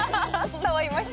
伝わりました。